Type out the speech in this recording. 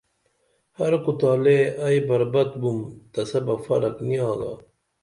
ہر کُتالے ائی بربت بُم تسہ بہ فرق نی آگا